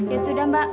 ya sudah mbak